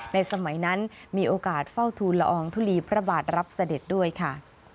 ในสมัยนั้นมีโอกาสเฝ้าทูลละอองทุลีพระบาทรับเสด็จด้วยค่ะ